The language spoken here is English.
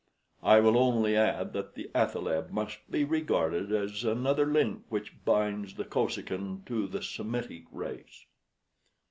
I will only add that the athaleb must be regarded as another link which binds the Kosekin to the Semitic race."